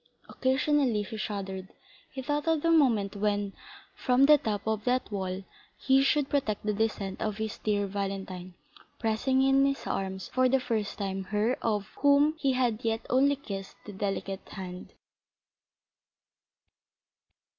Occasionally he shuddered; he thought of the moment when, from the top of that wall, he should protect the descent of his dear Valentine, pressing in his arms for the first time her of whom he had yet only kissed the delicate hand.